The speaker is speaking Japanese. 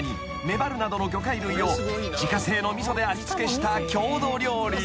メバルなどの魚介類を自家製の味噌で味付けした郷土料理］